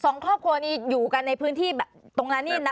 สองครอบครัวนี้อยู่กันในพื้นที่แบบตรงนั้นนี่นะ